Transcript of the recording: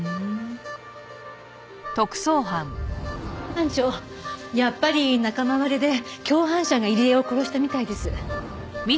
班長やっぱり仲間割れで共犯者が入江を殺したみたいです。